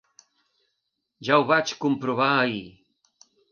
Ja ho vaig comprovar ahir.